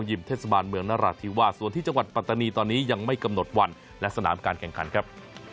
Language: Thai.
เทศบาลเมืองนราธิวาสส่วนที่จังหวัดปัตตานีตอนนี้ยังไม่กำหนดวันและสนามการแข่งขันครับ